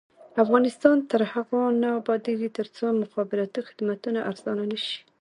افغانستان تر هغو نه ابادیږي، ترڅو مخابراتي خدمتونه ارزانه نشي.